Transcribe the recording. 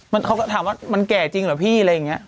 เขาก็ถามว่ามันแก่จริงเหรอพี่อะไรอย่างนี้